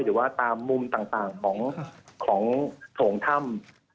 หรือว่าตามมุมต่างของโถงถ้ำ